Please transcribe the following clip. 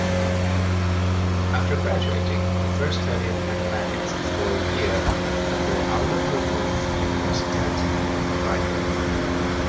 After graduating, he first studied mathematics for a year at the Albert-Ludwigs-Universität Freiburg.